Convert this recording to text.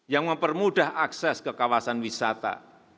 yang mempermudah akses ke kawasan wisata